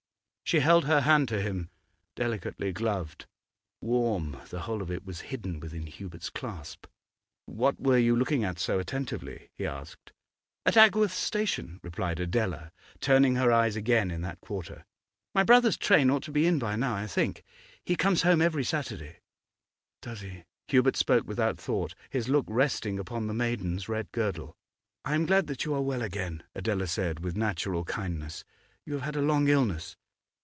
She held her hand to him, delicately gloved, warm; the whole of it was hidden within Hubert's clasp. 'What were you looking at so attentively?' he asked. 'At Agworth station,' replied Adela, turning her eyes again in that quarter. 'My brother's train ought to be in by now, I think. He comes home every Saturday.' 'Does he?' Hubert spoke without thought, his look resting upon the maiden's red girdle. 'I am glad that you are well again,' Adela said with natural kindness. 'You have had a long illness.